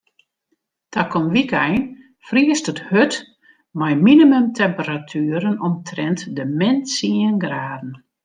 Takom wykein friest it hurd mei minimumtemperatueren omtrint de min tsien graden.